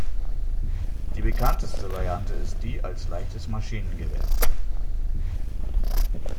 Die bekannteste Variante ist die als leichtes Maschinengewehr.